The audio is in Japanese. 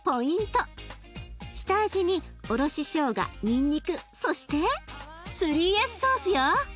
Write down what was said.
下味におろししょうがにんにくそして３Ｓソースよ。